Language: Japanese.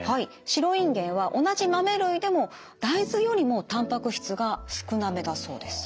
白いんげんは同じ豆類でも大豆よりもたんぱく質が少なめだそうです。